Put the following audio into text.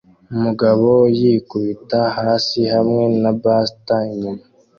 Umugabo yikubita hasi hamwe na bust inyuma